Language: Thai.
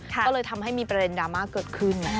ก็เลยทำให้มีประเด็นดราม่าเกิดขึ้น